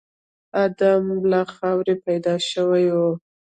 ادم له خاورې پيدا شوی و.